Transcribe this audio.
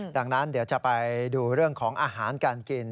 ดังนั้นเดี๋ยวจะไปดูเรื่องของอาหารการกิน